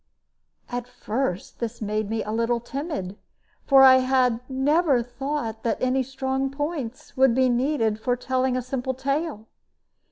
At first this made me a little timid, for I had never thought that any strong points would be needed for telling a simple tale.